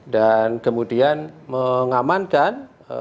dan kemudian mengamankan